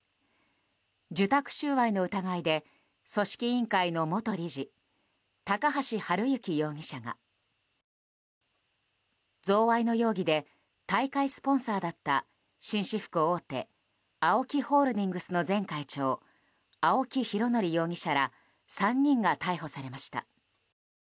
受託収賄の疑いで組織委員会の元理事高橋治之容疑者が贈賄の容疑で大会スポンサーだった紳士服大手ＡＯＫＩホールディングスの前会長、青木拡憲容疑者ら３人が逮捕されました。